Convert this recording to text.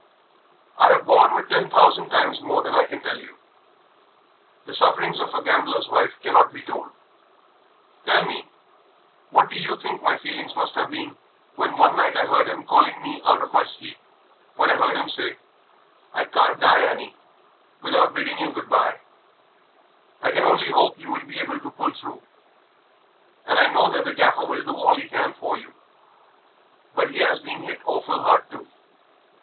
I have borne with ten thousand times more than I can tell you. The sufferings of a gambler's wife cannot be told. Tell me, what do you think my feelings must have been when one night I heard him calling me out of my sleep, when I heard him say, 'I can't die, Annie, without bidding you good bye. I can only hope that you will be able to pull through, and I know that the Gaffer will do all he can for you, but he has been hit awful hard too.